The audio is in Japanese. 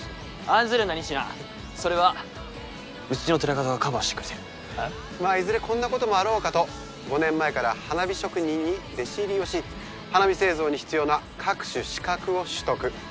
案ずるな仁科それはうちの寺門がカバーしてくれてるまあいずれこんなこともあろうかと５年前から花火職人に弟子入りをし花火製造に必要な各種資格を取得